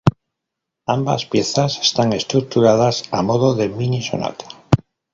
Ambas piezas están estructuradas a modo de mini-sonata.